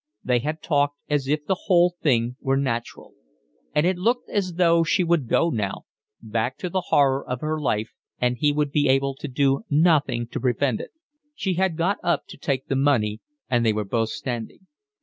They had talked as if the whole thing were natural; and it looked as though she would go now, back to the horror of her life, and he would be able to do nothing to prevent it. She had got up to take the money, and they were both standing.